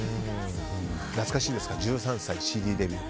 懐かしいですか、１３歳でＣＤデビュー。